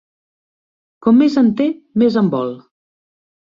Com més en té, més en vol.